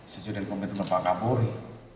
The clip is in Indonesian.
sesudah komitmen bapak kapolri